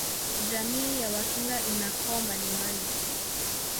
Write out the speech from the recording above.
Jamii ya Wakinga ina koo mbalimbali